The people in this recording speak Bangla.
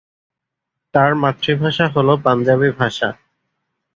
তার মাতৃভাষা হলো পাঞ্জাবি ভাষা।